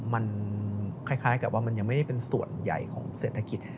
มันคล้ายกับว่ามันยังไม่ได้เป็นส่วนใหญ่ของเศรษฐกิจ